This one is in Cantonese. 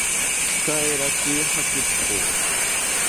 死開啲啦白痴仔